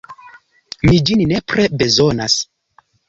Mi ĝin nepre bezonas.